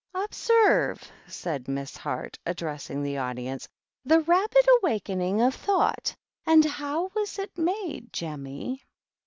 " Observe," said Miss Heart, addressing tl: audience, "the rapid awakening of though And how was it made, Jemmy